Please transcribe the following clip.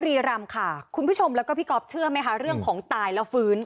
ปรีรัมค่ะคุณผู้ชมและพี่กอล์ฟเชื่อไหมคะเรื่องของตายและฟื้น